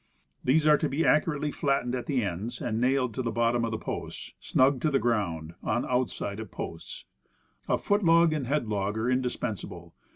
These are to be accurately flattened at the ends, and Construction. 33 nailed to the bottom of the posts, snug to the ground, on outside of posts. A foot log and head log are indispensable.